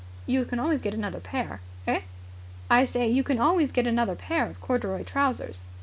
"You can always get another pair." "Eh?" "I say you can always get another pair of corduroy trousers."